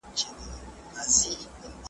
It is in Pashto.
که مطالعه ازاده وي نو ليکوالان به ډېر سي.